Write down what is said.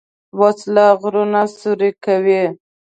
وسله غرونه سوری کوي